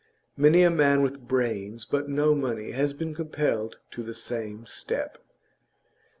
Many a man with brains but no money has been compelled to the same step.